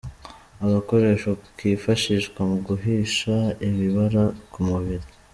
Agakoresho kifashishwa mu guhisha ibibara ku mubiri.